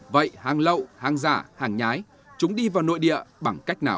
vậy hàng lậu hàng giả hàng nhái chúng đi vào nội địa bằng cách nào